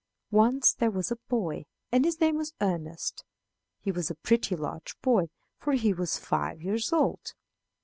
"Once there was a boy, and his name was Ernest. He was a pretty large boy, for he was five years old."